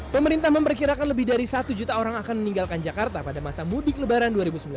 pemerintah memperkirakan lebih dari satu juta orang akan meninggalkan jakarta pada masa mudik lebaran dua ribu sembilan belas